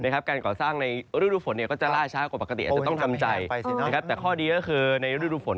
การก่อสร้างในฤดูฝนก็จะล่าช้ากว่าปกติอาจจะต้องทำใจแต่ข้อดีก็คือในฤดูฝน